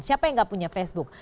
siapa yang gak punya facebook